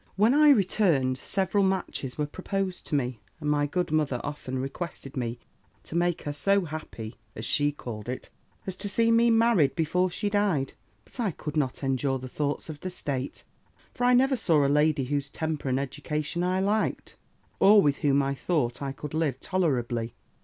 "When I returned, several matches were proposed to me, and my good mother often requested me to make her so happy, as she called it, as to see me married before she died; but I could not endure the thoughts of the state: for I never saw a lady whose temper and education I liked, or with whom I thought I could live tolerably.